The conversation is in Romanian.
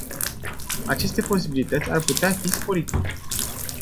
Aceste posibilități ar putea fi sporite.